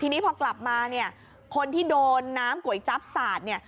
ทีนี้พอกลับมาเนี่ยคนที่โดนน้ำก๋วยจั๊บสาดเนี่ย